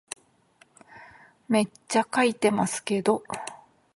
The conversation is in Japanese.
めっちゃ書いてますけど